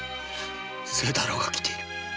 清太郎が来ている。